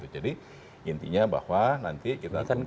jadi intinya bahwa nanti kita tunggu hasil